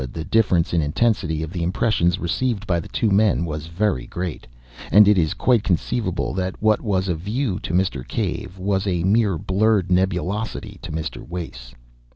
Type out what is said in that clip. The difference in intensity of the impressions received by the two men was very great, and it is quite conceivable that what was a view to Mr. Cave was a mere blurred nebulosity to Mr. Wace.